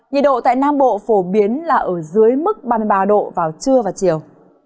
nhiệt độ tại nam bộ phổ biến là ở dưới mức ba mươi ba độ vào trưa và chiều